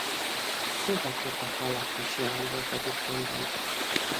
Szobekhotep alatt is jelen volt Egyiptomban.